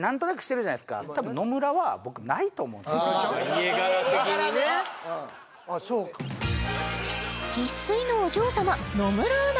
家柄的にね・ああそうか生粋のお嬢様野村アナ